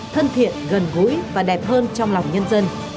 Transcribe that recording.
thân thiện gần gũi và đẹp hơn trong lòng nhân dân